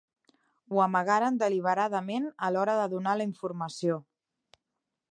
Ho amagaren deliberadament a l'hora de donar la informació.